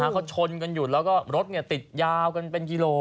เขาชนกันอยู่แล้วก็รถติดยาวกันเป็นกิโล